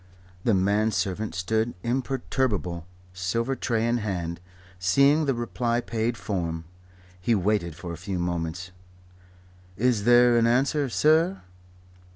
The man servant stood imperturbable, silver tray in hand. Seeing the reply paid form, he waited for a few moments. "Is there an answer, sir?"